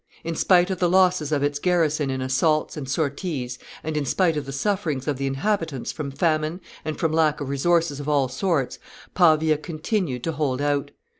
In spite of the losses of its garrison in assaults and sorties, and in spite of the sufferings of the inhabitants from famine and from lack of resources of all sorts, Pavia continued to hold out.